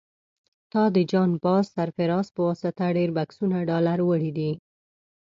تا د جان باز سرفراز په واسطه ډېر بکسونه ډالر وړي دي.